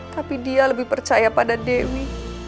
tapi dia lebih percaya pada demi